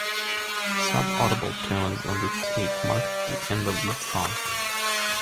Subaudible tones on the tape marked the end of each song.